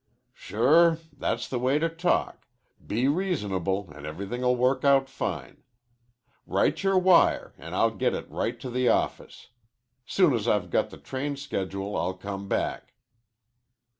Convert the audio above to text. "Sure. That's the way to talk. Be reasonable an' everything'll work out fine. Write your wire an' I'll take it right to the office. Soon as I've got the train schedule I'll come back."